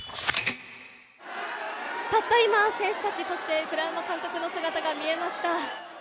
たった今、選手たち、栗山監督の姿が見えました。